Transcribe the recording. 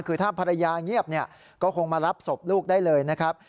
คือถ้าภรรยาเงียบเนี่ยก็คงมารับศพลูกได้เลยนะครับ